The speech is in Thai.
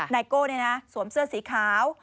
นายโก้สวมเสื้อสีขาว